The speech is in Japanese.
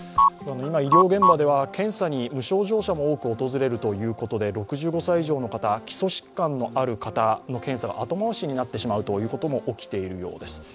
今、医療現場では検査に無症状者も多く訪れるということで６５歳以上の方、基礎疾患のあるかたの検査が後回しになってしまうということも起きているようです。